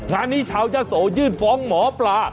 งานนี้ชาวยะโสยื่นฟ้องหมอปลา